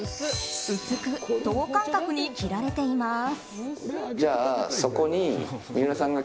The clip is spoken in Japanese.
薄く等間隔に切られています。